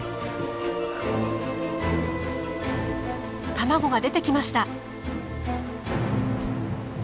卵が出てきました。